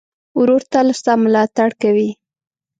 ورور تل ستا ملاتړ کوي.